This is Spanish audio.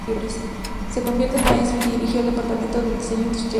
Se convirtió en maestro y dirigió el departamento de diseño industrial.